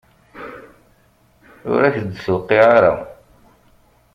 Ur ak-d-tuqiɛ ara.